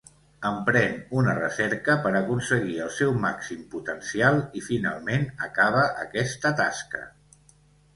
Emprèn una recerca per aconseguir el seu màxim potencial i finalment acaba aquesta tasca.